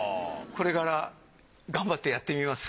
これから頑張ってやってみます。